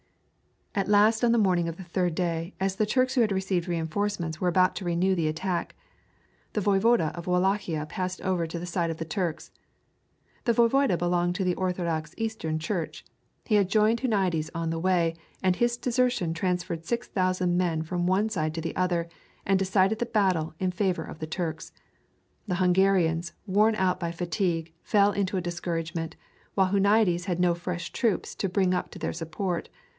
At last on the morning of the third day as the Turks who had received reinforcements were about to renew the attack, the Voyvode of Wallachia passed over to the side of the Turks. The voyvode belonged to the Orthodox Eastern Church. He had joined Huniades on the way, and his desertion transferred 6,000 men from one side to the other, and decided the battle in favor of the Turks. The Hungarians, worn out by fatigue, fell into a discouragement, while Huniades had no fresh troops to bring up to their support.